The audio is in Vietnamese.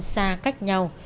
xa cách nhau